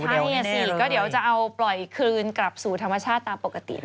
ใช่สิก็เดี๋ยวจะเอาปล่อยคืนกลับสู่ธรรมชาติตามปกติ